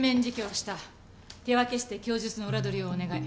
手分けして供述の裏取りをお願い。